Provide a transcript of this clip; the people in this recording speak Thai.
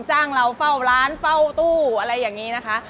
จ้างเราเฝ้าร้านเฝ้าตู้อะไรอย่างนี้นะคะ